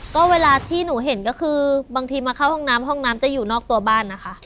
ก็เวลาที่หนูเห็นก็คือบางทีมาเข้าห้องน้ำห้องน้ำจะอยู่นอกตัวบ้านนะคะ